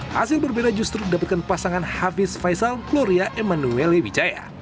hasil berbeda justru mendapatkan pasangan hafiz faizal gloria emanuel wijaya